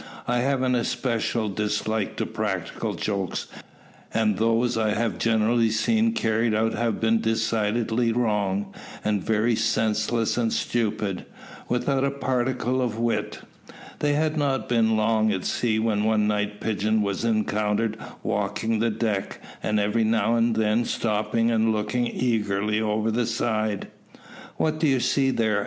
I have an especial dislike to practical jokes; and those I have generally seen carried out have been decidedly wrong, and very senseless and stupid, without a particle of wit. They had not been long at sea when one night Pigeon was encountered walking the deck, and every now and then stopping and looking eagerly over the side. "What do you see there?"